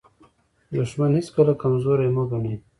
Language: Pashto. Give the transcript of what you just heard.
دښمن هیڅکله کمزوری مه ګڼئ.